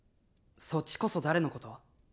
そっちこそ誰のこと？